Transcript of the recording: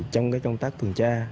trong cái công tác tuần tra